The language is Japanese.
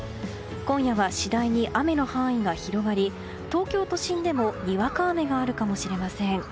今夜は次第に雨の範囲が広がり東京都心でもにわか雨があるかもしれません。